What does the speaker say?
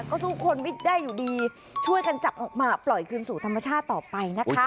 ก็สู้คนไม่ได้อยู่ดีช่วยกันจับออกมาปล่อยคืนสู่ธรรมชาติต่อไปนะคะ